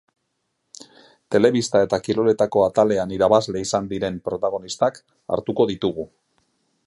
Telebista eta kiroletako atalean irabazle izan diren protagonistak hartuko ditugu.